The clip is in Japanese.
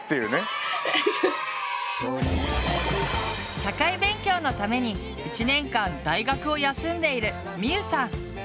社会勉強のために１年間大学を休んでいるみゆさん。